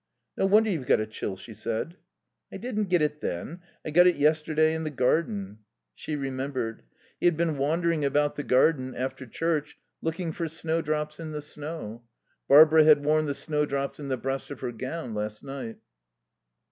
"No wonder you've got a chill," she said. "I didn't get it then. I got it yesterday in the garden." She remembered. He had been wandering about the garden, after church, looking for snowdrops in the snow. Barbara had worn the snowdrops in the breast of her gown last night.